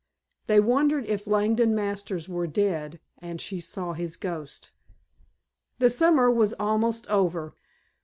They wondered if Langdon Masters were dead and she saw his ghost. The summer was almost over.